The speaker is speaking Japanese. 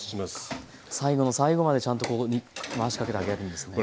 最後の最後までちゃんとここに回しかけてあげるんですね。